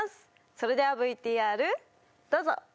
それではＶＴＲどうぞ！